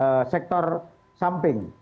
jaringan di sektor samping